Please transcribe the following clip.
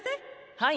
はい。